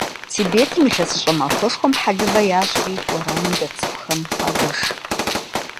Тибетым ИлъэсыщӀэ махуэшхуэм хьэлывэ ящӀри, уэрамым дэт цӀыхухэм хуагуэш.